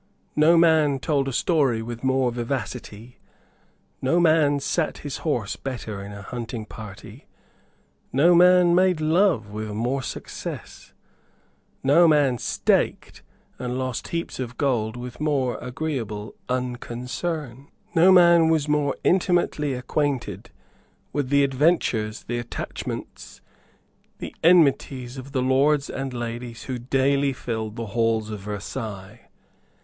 No man told a story with more vivacity; no man sate his horse better in a hunting party; no man made love with more success; no man staked and lost heaps of gold with more agreeable unconcern; no man was more intimately acquainted with the adventures, the attachments, the enmities of the lords and ladies who daily filled the halls of Versailles.